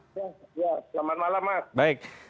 selamat malam pak